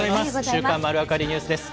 週刊まるわかりニュースです。